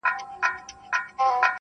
چي کرلي غزل ستوری په ا وبه کم.